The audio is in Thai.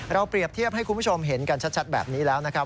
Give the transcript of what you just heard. เปรียบเทียบให้คุณผู้ชมเห็นกันชัดแบบนี้แล้วนะครับ